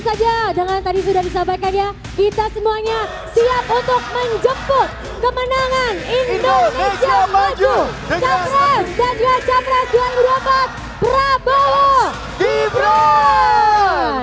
dajjal jamraj dan ropak prabowo di brun